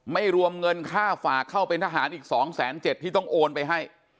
ไม่รวมเงินค่าฝากเข้าเป็นทหารอีก๒๗๐๐ที่ต้องโอนไปให้